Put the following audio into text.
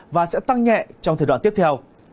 và sẽ tăng nhẹ trong thời đoạn tiếp theo